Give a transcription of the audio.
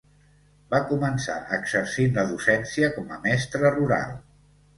Va començar exercint la docència com a mestre rural.